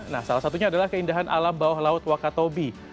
nah salah satunya adalah keindahan alam bawah laut wakatobi